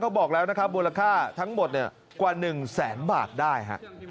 บอกแล้วนะครับมูลค่าทั้งหมดกว่า๑แสนบาทได้